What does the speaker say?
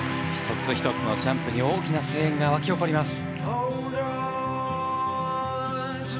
１つ１つのジャンプに大きな声援が沸き起こります。